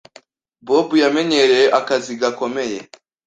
Bob yamenyereye akazi gakomeye.